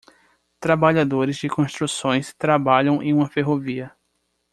Trabalhadores de construções trabalham em uma ferrovia.